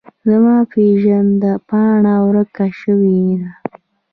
زما پیژند پاڼه ورکه سویده